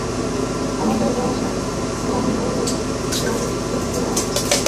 আমাকে ওরা শ্যামবর্ণের প্রলেপ দেওয়া শ্বেতদ্বৈপায়ন বলেই গণ্য করত।